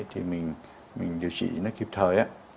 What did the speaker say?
thì mình điều trị nó kịp thời